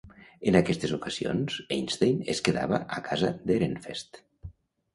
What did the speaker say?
En aquestes ocasions, Einstein es quedava a casa d'Ehrenfest.